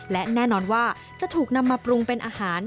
และแน่นอนว่าจะถูกนำมาปรุงเป็นอาหาร